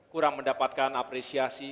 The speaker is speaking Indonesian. kurang mendapatkan apresiasi